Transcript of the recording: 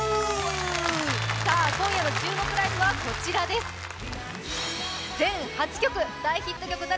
さあ今夜の注目ライブはこちらですいや